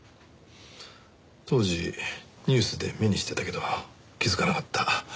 当時ニュースで目にしてたけど気づかなかった。